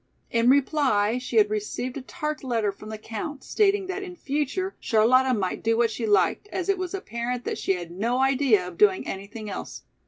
In reply she had received a tart letter from the Count stating that in future Charlotta might do what she liked, as it was apparent that she had no idea of doing anything else.